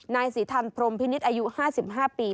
นายสีทันพรมพินิษฐ์อายุ๕๕ปี